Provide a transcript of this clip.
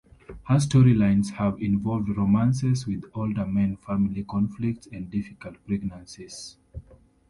Her storylines have involved romances with older men, family conflicts, and difficult pregnancies.